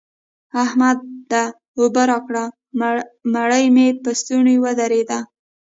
احمده! اوبه راکړه؛ مړۍ مې په ستونې ودرېده.